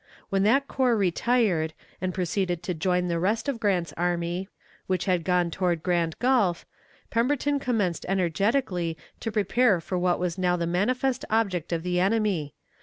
When that corps retired, and proceeded to join the rest of Grant's army which had gone toward Grand Gulf, Pemberton commenced energetically to prepare for what was now the manifest object of the enemy.